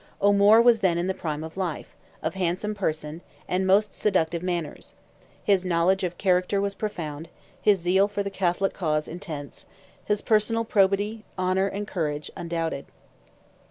O'Moore was then in the prime of life, of handsome person, and most seductive manners; his knowledge of character was profound; his zeal for the Catholic cause, intense; his personal probity, honour, and courage, undoubted.